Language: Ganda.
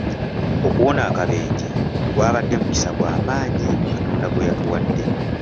Okuwona akabenje gwabadde mukisa gwa maanyi Katonda gwe yatuwadde.